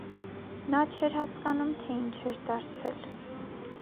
Նա չէր հասկանում, թե ինչ էր դարձել։